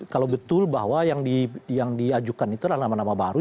kalau betul bahwa yang diajukan itu adalah nama nama baru